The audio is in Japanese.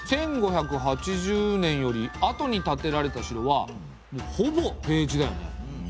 １５８０年よりあとに建てられた城はほぼ平地だよね。